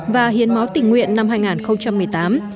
và hiến máu tình nguyện năm hai nghìn một mươi tám